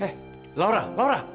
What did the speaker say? eh laura laura